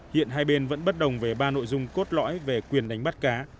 hiện hai bên vẫn bất đồng về ba nội dung cốt lõi về quyền đánh bắt cá